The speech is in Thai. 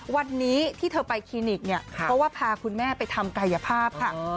วันนี้ที่เธอไปคลินิกเนี่ยเพราะว่าพาคุณแม่ไปทำกายภาพค่ะ